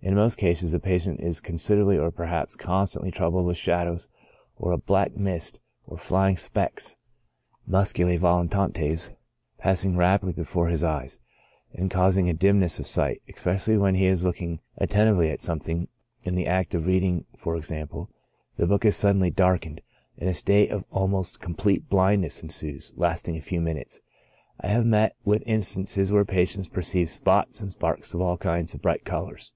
In most cases the patient is considerably, or perhaps con stantly, troubled with shadows or a black mist or flying specks (muscce volitantes) passing rapidly before his eyes, and causing a dimness of sight, especially when he is looking attentively at something ; in the act of reading, for exam ple, the book is suddenly darkened, and a state of almost complete blindness ensues, lasting a few minutes. I have met with instances where patients perceived spots and sparks of all kinds of bright colors.